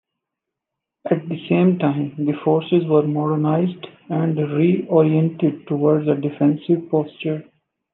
At the same time, the forces were modernized and reoriented towards a defensive posture.